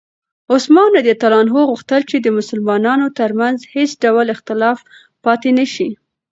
عثمان رض غوښتل چې د مسلمانانو ترمنځ هېڅ ډول اختلاف پاتې نه شي.